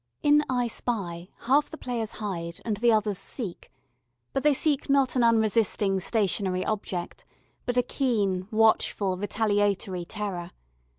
In "I spy" half the players hide and the others seek; but they seek not an unresisting stationary object, but a keen, watchful retaliatory terror.